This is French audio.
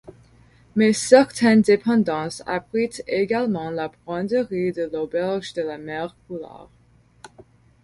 Mais certaines dépendances abritent également la buanderie de l'auberge de la Mère Poulard.